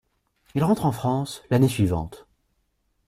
Il rentre en France l'année suivante.